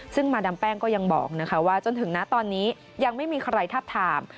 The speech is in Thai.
ซึ่งมาดามแป้งก็ยังบอกนะคะว่าจนถึงนะตอนนี้ยังไม่มีใครทาบทาม